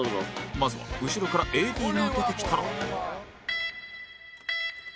まずは後ろから ＡＤ が出てきたら